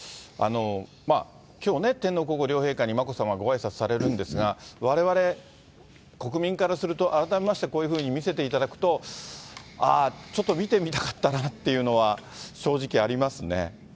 きょうね、天皇皇后両陛下に眞子さまがごあいさつされるんですが、われわれ、国民からすると、改めまして、こういうふうに見せていただくと、ああ、ちょっと見てみたかったなっていうのは、正直ありますね。